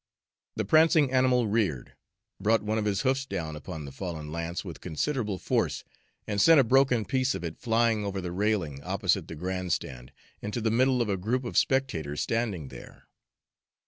The prancing animal reared, brought one of his hoofs down upon the fallen lance with considerable force, and sent a broken piece of it flying over the railing opposite the grand stand, into the middle of a group of spectators standing there.